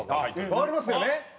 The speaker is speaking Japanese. わかりますよね？